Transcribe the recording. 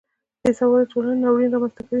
بې سواده ټولنه ناورین رامنځته کوي